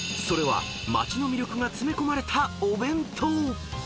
それは街の魅力が詰め込まれたお弁当］